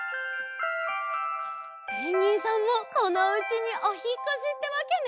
！？ペンギンさんもこのおうちにおひっこしってわけね！